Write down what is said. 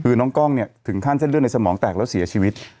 คือน้องกล้องเนี่ยถึงขั้นเส้นเลือดในสมองแตกแล้วเสียชีวิต